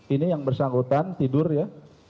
ini yang bersangkutan tidur ya